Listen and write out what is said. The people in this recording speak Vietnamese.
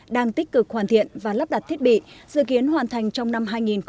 đang tích cực hoàn thiện và lắp đặt thiết bị dự kiến hoàn thành trong năm hai nghìn hai mươi